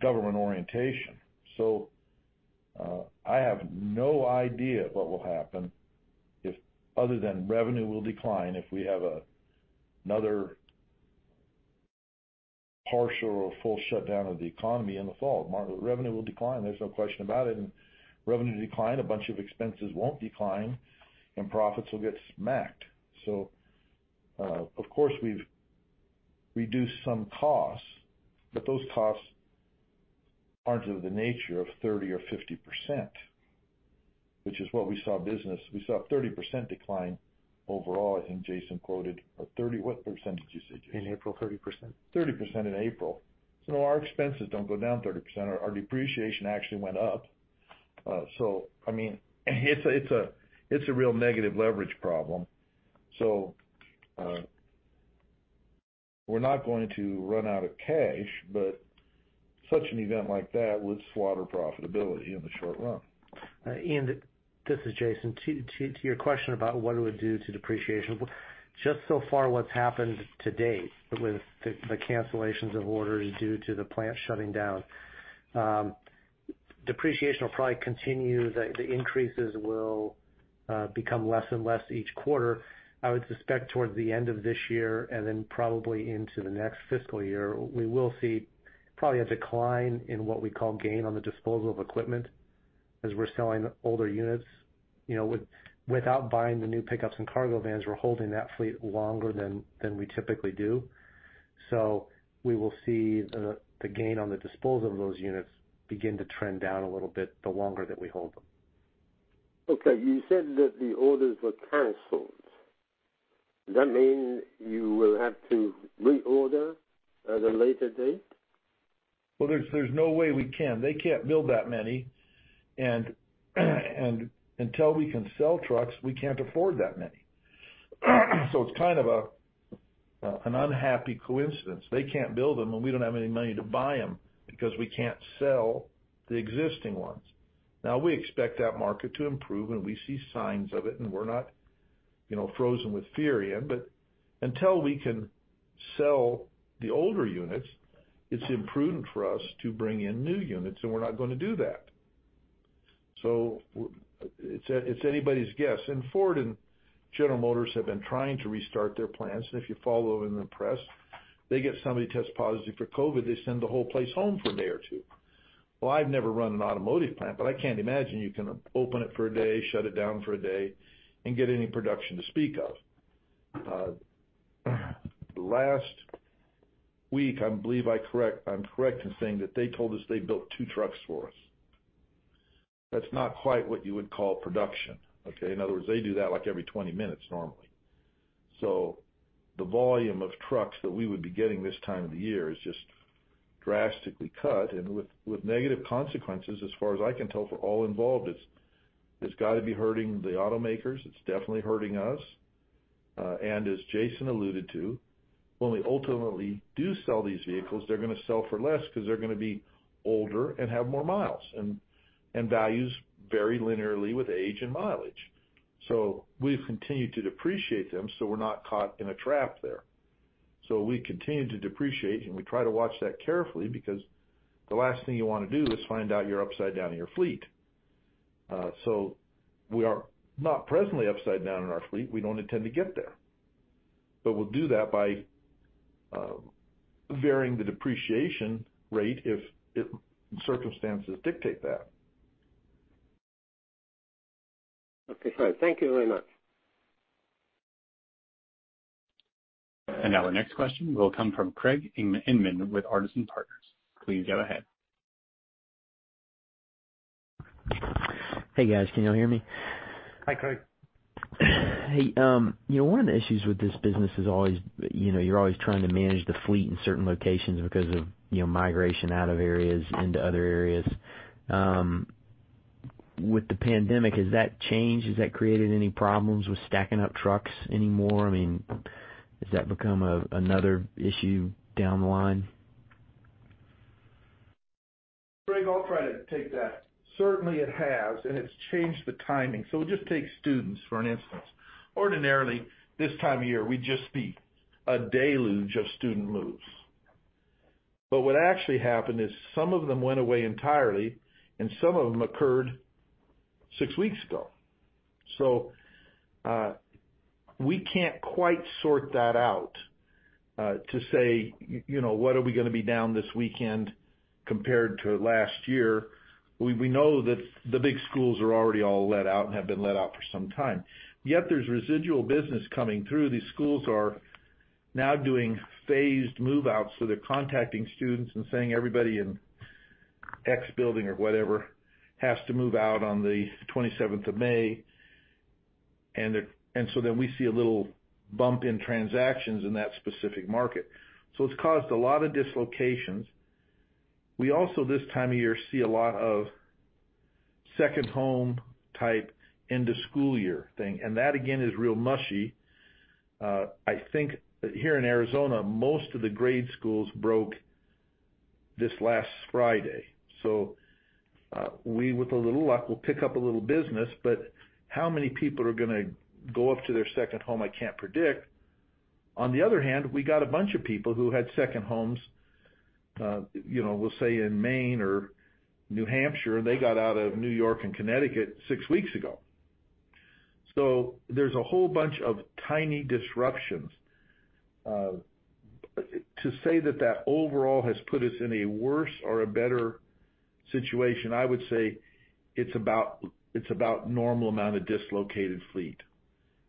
government orientation. So, I have no idea what will happen other than revenue will decline, if we have another partial or full shutdown of the economy in the fall. Revenue will decline, there's no question about it. And revenue decline, a bunch of expenses won't decline, and profits will get smacked. So, of course, we've reduced some costs, but those costs aren't of the nature of 30% or 50%, which is what we saw business. We saw a 30% decline overall, I think Jason quoted. What percentage did you say, Jason? In April, 30%. 30% in April. So our expenses don't go down 30%. Our depreciation actually went up. So I mean, it's a real negative leverage problem. So, we're not going to run out of cash, but such an event like that would slaughter profitability in the short run. Ian, this is Jason. To your question about what it would do to depreciation, just so far, what's happened to date with the cancellations of orders due to the plant shutting down, depreciation will probably continue. The increases will become less and less each quarter. I would suspect towards the end of this year, and then probably into the next fiscal year, we will see probably a decline in what we call gain on the disposal of equipment as we're selling older units. You know, without buying the new pickups and cargo vans, we're holding that fleet longer than we typically do. So we will see the gain on the disposal of those units begin to trend down a little bit, the longer that we hold them. Okay, you said that the orders were canceled. Does that mean you will have to reorder at a later date? Well, there's no way we can. They can't build that many, and until we can sell trucks, we can't afford that many. So it's kind of a, an unhappy coincidence. They can't build them, and we don't have any money to buy them because we can't sell the existing ones. Now, we expect that market to improve, and we see signs of it, and we're not, you know, frozen with fear, Ian. But until we can sell the older units, it's imprudent for us to bring in new units, and we're not gonna do that. So it's anybody's guess, and Ford and General Motors have been trying to restart their plants, and if you follow in the press, they get somebody test positive for COVID, they send the whole place home for a day or two. I've never run an automotive plant, but I can't imagine you can open it for a day, shut it down for a day, and get any production to speak of. Last week, I believe I'm correct in saying that they told us they built two trucks for us. That's not quite what you would call production, okay? In other words, they do that, like, every 20 minutes, normally... So the volume of trucks that we would be getting this time of the year is just drastically cut and with negative consequences, as far as I can tell, for all involved. It's got to be hurting the automakers, it's definitely hurting us. And as Jason alluded to, when we ultimately do sell these vehicles, they're gonna sell for less because they're gonna be older and have more miles, and values vary linearly with age and mileage. So we've continued to depreciate them, so we're not caught in a trap there. So we continue to depreciate, and we try to watch that carefully because the last thing you want to do is find out you're upside down in your fleet. So we are not presently upside down in our fleet. We don't intend to get there. But we'll do that by varying the depreciation rate if circumstances dictate that. Okay, great. Thank you very much. Now our next question will come from Craig Inman with Artisan Partners. Please go ahead. Hey, guys. Can you all hear me? Hi, Craig. Hey, you know, one of the issues with this business is always, you know, you're always trying to manage the fleet in certain locations because of, you know, migration out of areas into other areas. With the pandemic, has that changed? Has that created any problems with stacking up trucks anymore? I mean, has that become another issue down the line? Craig, I'll try to take that. Certainly, it has, and it's changed the timing, so we'll just take students for an instance. Ordinarily, this time of year, we'd just see a deluge of student moves, but what actually happened is some of them went away entirely, and some of them occurred six weeks ago. So we can't quite sort that out to say, you know, what are we gonna be down this weekend compared to last year. We know that the big schools are already all let out and have been let out for some time. Yet there's residual business coming through. These schools are now doing phased move-outs, so they're contacting students and saying, "Everybody in X building," or whatever, "has to move out on the 27th of May," and they're, and so then we see a little bump in transactions in that specific market. So it's caused a lot of dislocations. We also, this time of year, see a lot of second home type end-of-school-year thing, and that, again, is real mushy. I think here in Arizona, most of the grade schools broke this last Friday, so, we, with a little luck, will pick up a little business, but how many people are gonna go up to their second home, I can't predict. On the other hand, we got a bunch of people who had second homes, you know, we'll say, in Maine or New Hampshire, and they got out of New York and Connecticut six weeks ago. So there's a whole bunch of tiny disruptions. To say that that overall has put us in a worse or a better situation, I would say it's about, it's about normal amount of dislocated fleet.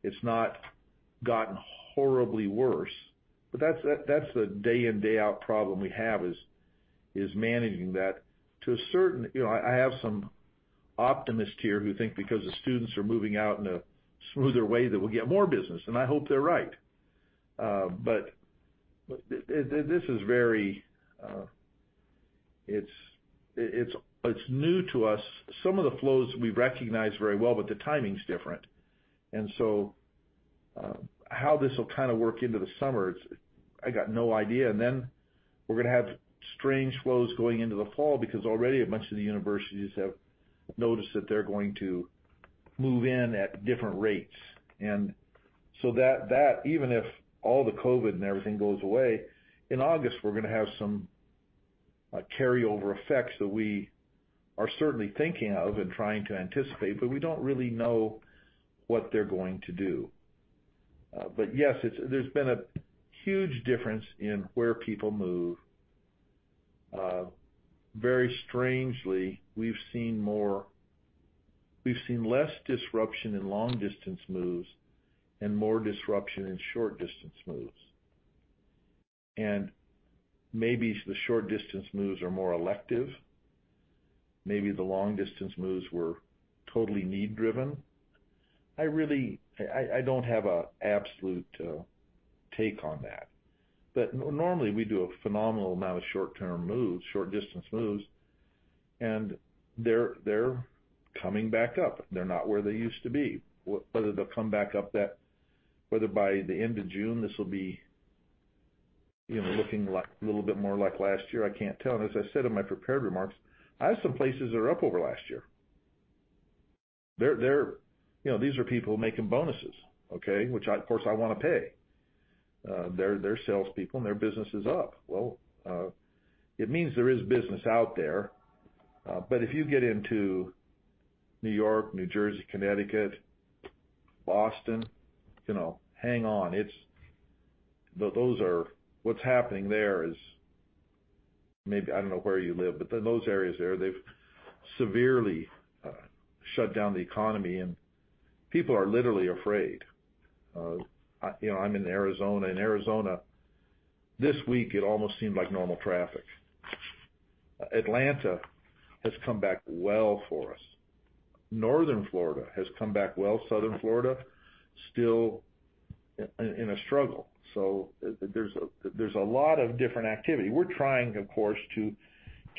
It's not gotten horribly worse, but that's the day in, day out problem we have: is managing that to a certain... You know, I have some optimists here who think because the students are moving out in a smoother way, that we'll get more business, and I hope they're right. But this is very new to us. Some of the flows we recognize very well, but the timing's different. And so, how this will kind of work into the summer, I got no idea. And then we're gonna have strange flows going into the fall because already a bunch of the universities have noticed that they're going to move in at different rates. And so that even if all the COVID and everything goes away in August we're gonna have some carryover effects that we are certainly thinking of and trying to anticipate but we don't really know what they're going to do. But yes it's. There's been a huge difference in where people move. Very strangely we've seen less disruption in long-distance moves and more disruption in short-distance moves. And maybe it's the short-distance moves are more elective maybe the long-distance moves were totally need-driven. I really don't have an absolute take on that. But normally we do a phenomenal amount of short-term moves short-distance moves and they're coming back up. They're not where they used to be. Whether they'll come back up that, whether by the end of June, this will be, you know, looking like, a little bit more like last year, I can't tell. And as I said in my prepared remarks, I have some places that are up over last year. They're, you know, these are people making bonuses, okay? Which I, of course, want to pay. They're salespeople, and their business is up. Well, it means there is business out there, but if you get into New York, New Jersey, Connecticut, Boston, you know, hang on, it's... Those are, what's happening there is maybe, I don't know where you live, but in those areas there, they've severely shut down the economy, and people are literally afraid. I, you know, I'm in Arizona. In Arizona, this week, it almost seemed like normal traffic. Atlanta has come back well for us. Northern Florida has come back well. Southern Florida, still in a struggle. So there's a lot of different activity. We're trying, of course, to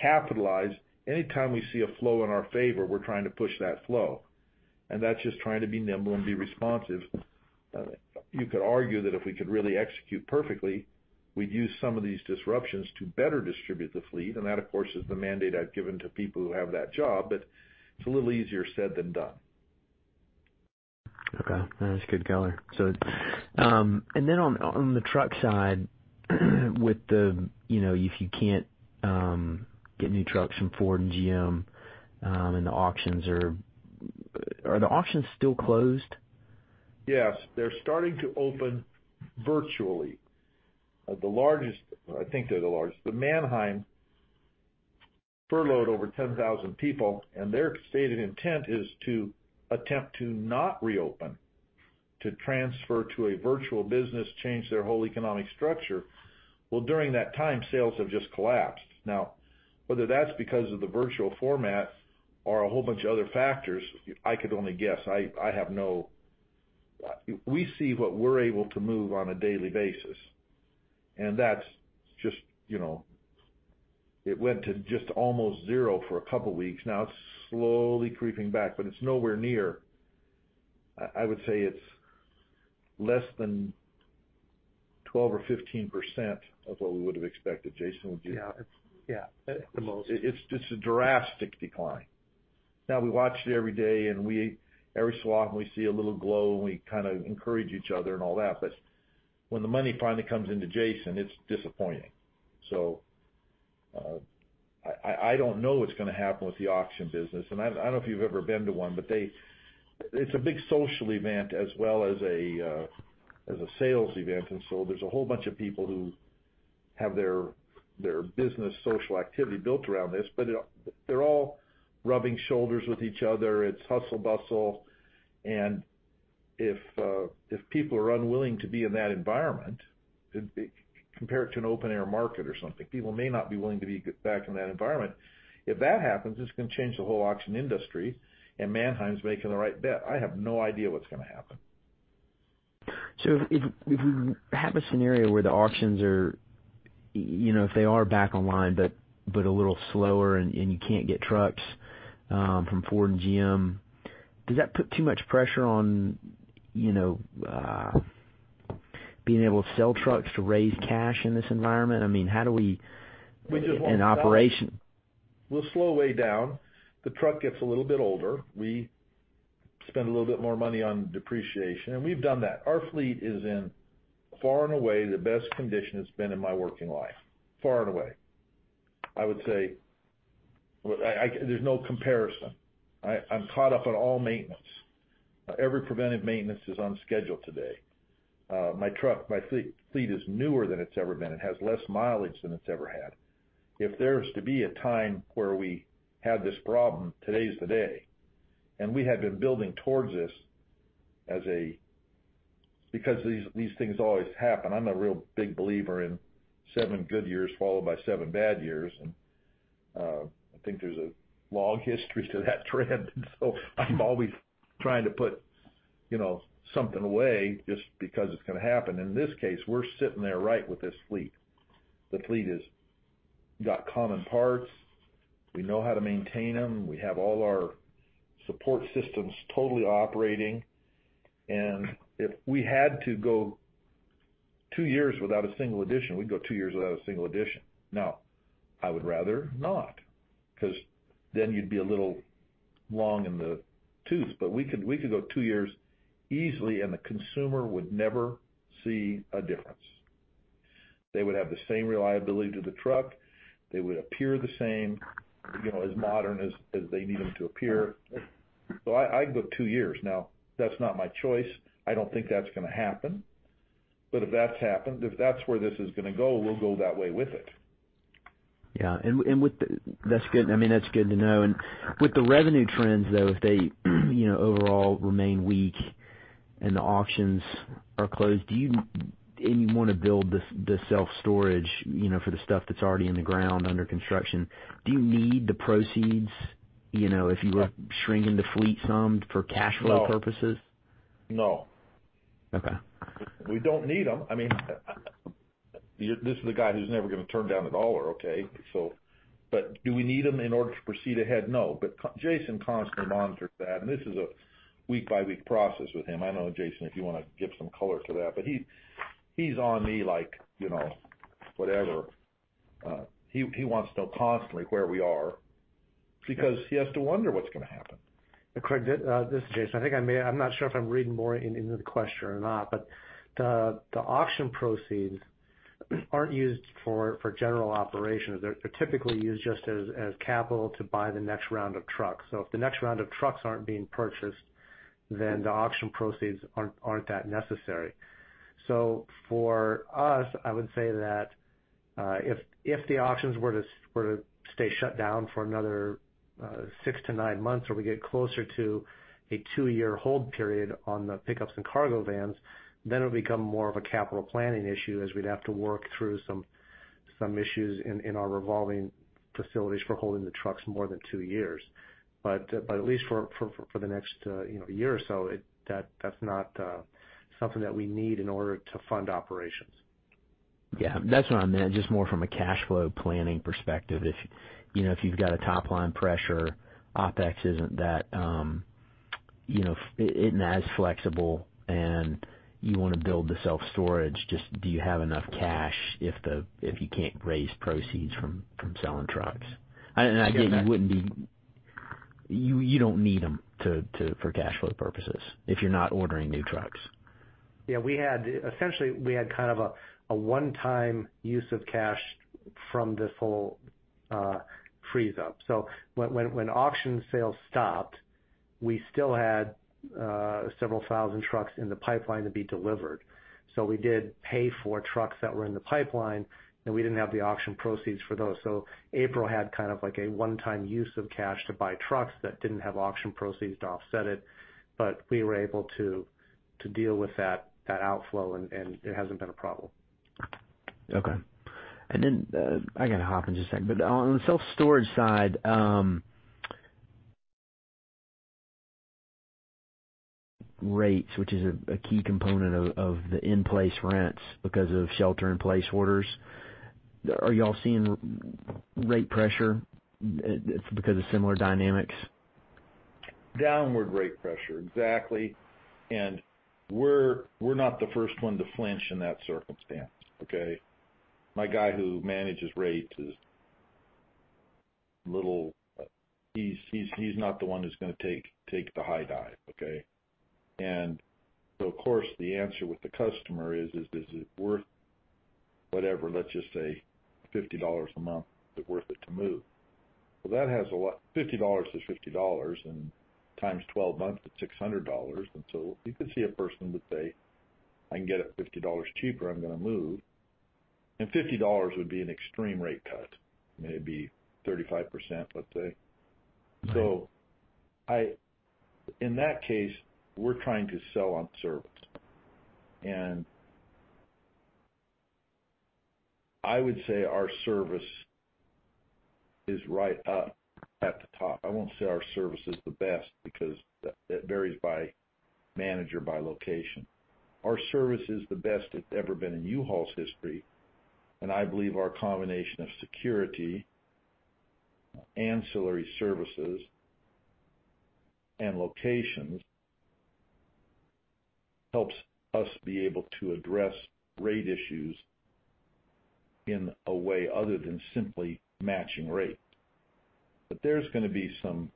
capitalize. Anytime we see a flow in our favor, we're trying to push that flow, and that's just trying to be nimble and be responsive. You could argue that if we could really execute perfectly, we'd use some of these disruptions to better distribute the fleet, and that, of course, is the mandate I've given to people who have that job, but it's a little easier said than done. Okay, that's good color, so and then on the truck side, with the, you know, if you can't get new trucks from Ford and GM, and the auctions are... Are the auctions still closed? Yes. They're starting to open virtually. The largest, I think they're the largest, the Manheim furloughed over 10,000 people, and their stated intent is to attempt to not reopen, to transfer to a virtual business, change their whole economic structure. During that time, sales have just collapsed. Now, whether that's because of the virtual format or a whole bunch of other factors, I could only guess. We see what we're able to move on a daily basis, and that's just, you know, it went to just almost zero for a couple of weeks. Now, it's slowly creeping back, but it's nowhere near. I would say it's less than 12 or 15% of what we would have expected. Jason, would you- Yeah. It's yeah, at the most. It's a drastic decline. Now, we watch it every day, and every so often, we see a little glow, and we kind of encourage each other and all that. But when the money finally comes into Jason, it's disappointing. So, I don't know what's going to happen with the auction business, and I don't know if you've ever been to one, but they... It's a big social event as well as a sales event, and so there's a whole bunch of people who have their business social activity built around this, but they're all rubbing shoulders with each other. It's hustle, bustle, and if people are unwilling to be in that environment, compare it to an open air market or something, people may not be willing to be back in that environment. If that happens, it's going to change the whole auction industry, and Manheim is making the right bet. I have no idea what's going to happen. So if we have a scenario where the auctions are, you know, if they are back online, but a little slower and you can't get trucks from Ford and GM, does that put too much pressure on, you know, being able to sell trucks to raise cash in this environment? I mean, how do we- We just won't sell. In operation. We'll slow way down. The truck gets a little bit older. We spend a little bit more money on depreciation, and we've done that. Our fleet is in, far and away, the best condition it's been in my working life, far and away. I would say. There's no comparison. I'm caught up on all maintenance. Every preventive maintenance is on schedule today. My fleet is newer than it's ever been and has less mileage than it's ever had. If there's to be a time where we have this problem, today is the day, and we have been building towards this because these things always happen. I'm a real big believer in seven good years, followed by seven bad years, and I think there's a long history to that trend. And so I'm always trying to put, you know, something away just because it's going to happen. In this case, we're sitting there right with this fleet. The fleet is got common parts. We know how to maintain them. We have all our support systems totally operating, and if we had to go two years without a single addition, we'd go two years without a single addition. Now, I would rather not, 'cause then you'd be a little long in the tooth, but we could. We could go two years easily, and the consumer would never see a difference. They would have the same reliability to the truck. They would appear the same, you know, as modern as they need them to appear. So I can go two years. Now, that's not my choice. I don't think that's going to happen. but if that's happened, if that's where this is gonna go, we'll go that way with it. Yeah, and with the... That's good. I mean, that's good to know. And with the revenue trends, though, if they, you know, overall remain weak and the auctions are closed, do you-- and you want to build this, the self-storage, you know, for the stuff that's already in the ground under construction, do you need the proceeds, you know, if you were shrinking the fleet some for cash flow- No. purposes? No. Okay. We don't need them. I mean, you're, this is the guy who's never going to turn down a dollar, okay? So, but do we need them in order to proceed ahead? No. But Jason constantly monitors that, and this is a week-by-week process with him. I know, Jason, if you want to give some color to that, but he, he's on me like, you know, whatever. He, he wants to know constantly where we are because he has to wonder what's going to happen. Craig, this is Jason. I'm not sure if I'm reading more into the question or not, but the auction proceeds aren't used for general operations. They're typically used just as capital to buy the next round of trucks. So if the next round of trucks aren't being purchased, then the auction proceeds aren't that necessary. So for us, I would say that if the auctions were to stay shut down for another six to nine months, or we get closer to a two-year hold period on the pickups and cargo vans, then it'll become more of a capital planning issue as we'd have to work through some issues in our revolving facilities for holding the trucks more than two years. But at least for the next, you know, year or so, that that's not something that we need in order to fund operations. Yeah, that's what I meant, just more from a cash flow planning perspective. If, you know, if you've got a top line pressure, OpEx isn't that, you know, it isn't as flexible, and you want to build the self-storage, just do you have enough cash if you can't raise proceeds from selling trucks? And I get you wouldn't be... You don't need them to for cash flow purposes if you're not ordering new trucks. Yeah, we had essentially a one-time use of cash from this whole freeze-up. So when auction sales stopped, we still had several thousand trucks in the pipeline to be delivered. So we did pay for trucks that were in the pipeline, and we didn't have the auction proceeds for those. So April had kind of like a one-time use of cash to buy trucks that didn't have auction proceeds to offset it, but we were able to deal with that outflow, and it hasn't been a problem. Okay. And then, I gotta hop in just a second. But on the self-storage side, rates, which is a key component of the in-place rents because of shelter-in-place orders, are y'all seeing rate pressure because of similar dynamics? Downward rate pressure, exactly. And we're not the first one to flinch in that circumstance, okay? My guy who manages rates is little. He's not the one who's going to take the high dive, okay? And so of course, the answer with the customer is it worth whatever, let's just say $50 a month, is it worth it to move? Well, that has a lot. $50 is $50, and times 12 months, it's $600. And so you could see a person would say, "I can get it $50 cheaper, I'm going to move." And $50 would be an extreme rate cut, maybe 35%, let's say. Right. So, in that case, we're trying to sell on service. And I would say our service is right up at the top. I won't say our service is the best because that, that varies by manager, by location. Our service is the best it's ever been in U-Haul's history, and I believe our combination of security, ancillary services, and locations helps us be able to address rate issues in a way other than simply matching rates. But there's going to be some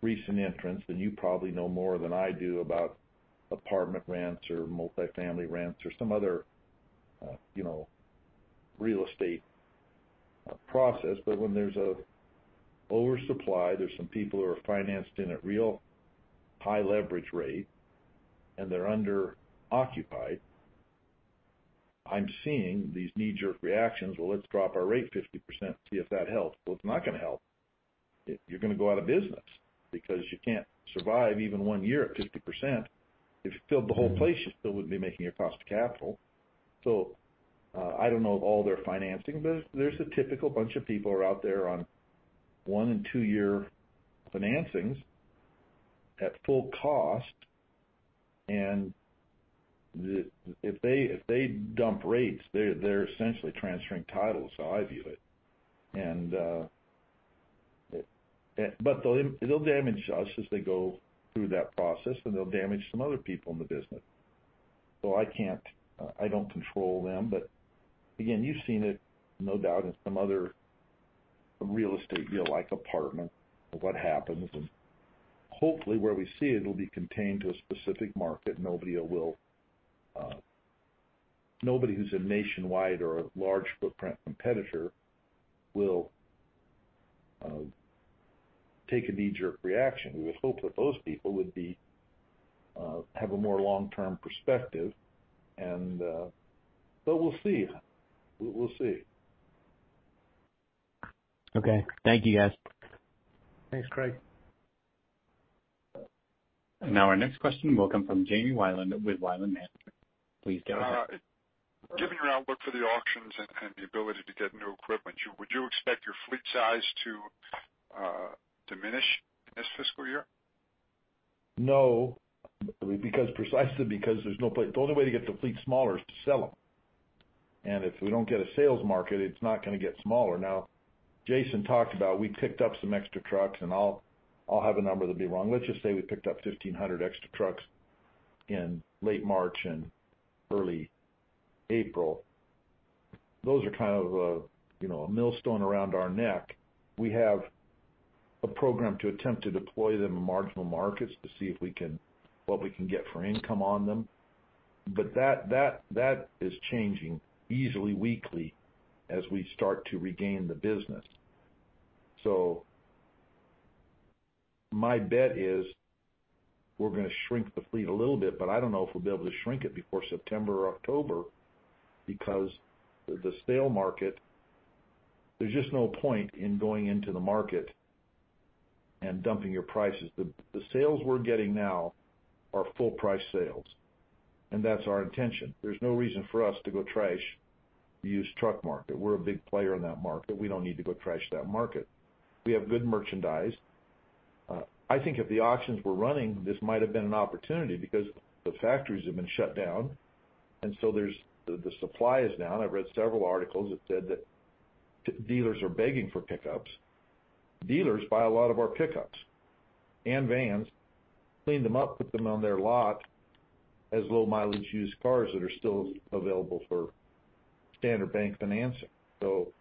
recent entrants, and you probably know more than I do about apartment rents or multifamily rents or some other, you know, real estate, process. But when there's a oversupply, there's some people who are financed in at real high leverage rate, and they're underoccupied. I'm seeing these knee-jerk reactions, "Well, let's drop our rate 50% to see if that helps." Well, it's not going to help. If you're going to go out of business because you can't survive even one year at 50%. If you filled the whole place, you still wouldn't be making your cost of capital. So, I don't know of all their financing, but there's a typical bunch of people are out there on one and two-year financings at full cost. If they dump rates, they're essentially transferring title, is how I view it. And, but they'll, it'll damage us as they go through that process, and they'll damage some other people in the business. So I can't, I don't control them, but again, you've seen it, no doubt, in some other real estate deal, like apartment, of what happens. And hopefully where we see it, it'll be contained to a specific market. Nobody who's a nationwide or a large footprint competitor will take a knee-jerk reaction. We would hope that those people would have a more long-term perspective and... But we'll see. We'll see. Okay. Thank you, guys. Thanks, Craig. Now, our next question will come from Jamie Weiland with Weiland Management. Please go ahead. Given your outlook for the auctions and the ability to get new equipment, would you expect your fleet size to diminish in this fiscal year? No, because precisely because there's no place. The only way to get the fleet smaller is to sell them. And if we don't get a sales market, it's not going to get smaller. Now, Jason talked about, we picked up some extra trucks, and I'll have a number that'll be wrong. Let's just say we picked up 1,500 extra trucks in late March and early April. Those are kind of a, you know, a millstone around our neck. We have a program to attempt to deploy them in marginal markets to see what we can get for income on them. But that is changing easily weekly as we start to regain the business. My bet is we're going to shrink the fleet a little bit, but I don't know if we'll be able to shrink it before September or October because the sales market, there's just no point in going into the market and dumping your prices. The sales we're getting now are full price sales, and that's our intention. There's no reason for us to go trash the used truck market. We're a big player in that market. We don't need to go trash that market. We have good merchandise. I think if the auctions were running, this might have been an opportunity because the factories have been shut down, and so the supply is down. I've read several articles that said that dealers are begging for pickups. Dealers buy a lot of our pickups and vans, clean them up, put them on their lot as low mileage used cars that are still available for standard bank financing. So,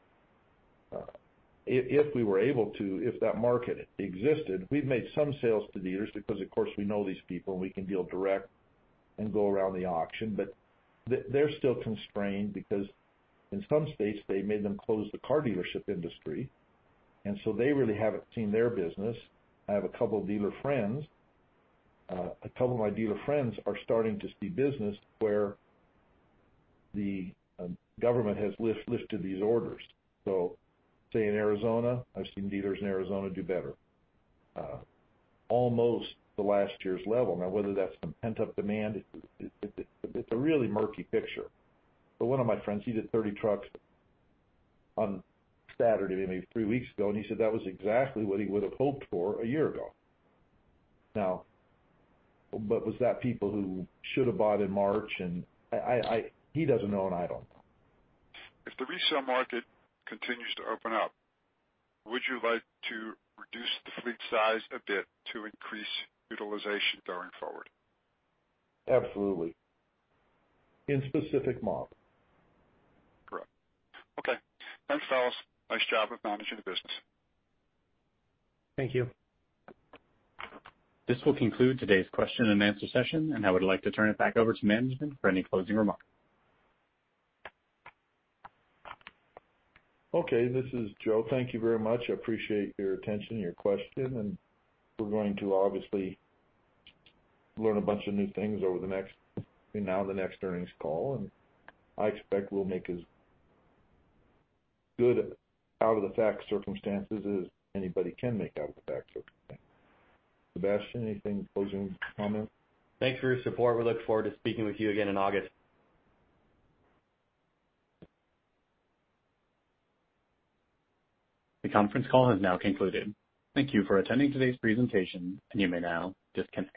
if we were able to, if that market existed, we've made some sales to dealers because, of course, we know these people, and we can deal direct and go around the auction. But they're still constrained because in some states, they made them close the car dealership industry, and so they really haven't seen their business. I have a couple of dealer friends, a couple of my dealer friends are starting to see business where the government has lifted these orders. So say in Arizona, I've seen dealers in Arizona do better, almost the last year's level. Now, whether that's some pent-up demand, it's a really murky picture. But one of my friends, he did 30 trucks on Saturday, maybe three weeks ago, and he said that was exactly what he would have hoped for a year ago. Now, but was that people who should have bought in March? And I, I, he doesn't know, and I don't. If the resa``le market continues to open up, would you like to reduce the fleet size a bit to increase utilization going forward? Absolutely. In specific model. Correct. Okay. Thanks, fellas. Nice job of managing the business. Thank you. This will conclude today's question-and-answer session, and I would like to turn it back over to management for any closing remarks. Okay, this is Joe. Thank you very much. I appreciate your attention, your question, and we're going to obviously learn a bunch of new things over the next, between now and the next earnings call, and I expect we'll make as good out-of-the-factual circumstances as anybody can make out of the factual circumstances. Sebastian, anything? Closing comments? Thanks for your support. We look forward to speaking with you again in August. The conference call has now concluded. Thank you for attending today's presentation, and you may now disconnect.